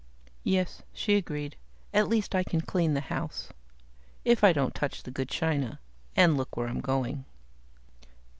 "Yes," she agreed, "at least I can clean the house. If I don't touch the good china, and look where I'm going."